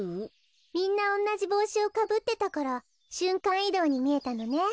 みんなおんなじぼうしをかぶってたからしゅんかんいどうにみえたのね。